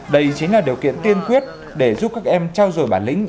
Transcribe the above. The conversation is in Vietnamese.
đây chính là điều kiện tiên quyết để giúp các em trao dồi bản lĩnh